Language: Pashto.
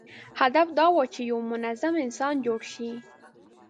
هدف دا و چې یو منظم انسان جوړ شي.